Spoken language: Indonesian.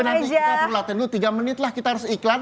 nanti kita perlu latihan dulu tiga menit lah kita harus iklan